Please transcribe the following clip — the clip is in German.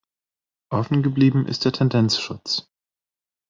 Offen geblieben ist der Tendenzschutz.